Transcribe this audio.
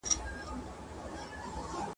هیلي د زلمیو شپو مي سپینو وېښتو وخوړې ..